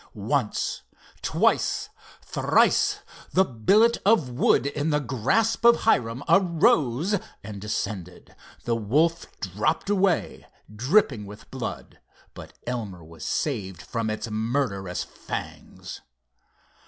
Once, twice, thrice the billet of wood in the grasp of Hiram arose and descended. The wolf dropped away, dripping with blood, but Elmer was saved from its murderous fangs.